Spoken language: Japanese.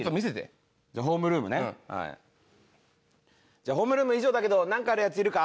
じゃあホームルーム以上だけどなんかあるヤツいるか？